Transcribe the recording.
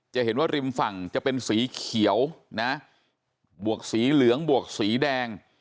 จะเห็นว่าริมฝั่งจะเป็นสีเขียวนะบวกสีเหลืองบวกสีแดง